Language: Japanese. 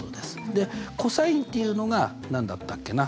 でｃｏｓっていうのが何だったっけな？